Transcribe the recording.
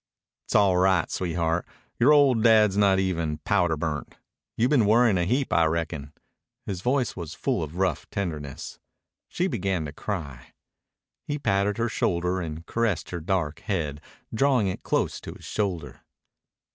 "'T's all right, sweetheart. Yore old dad's not even powder burnt. You been worryin' a heap, I reckon." His voice was full of rough tenderness. She began to cry. He patted her shoulder and caressed her dark head drawing it close to his shoulder.